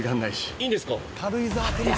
いいんですか？